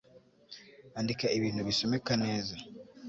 andika ibintu bisomeka neza